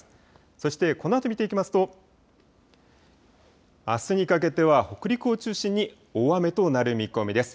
そしてこのあと見ていきますとあすにかけては北陸を中心に大雨となる見込みです。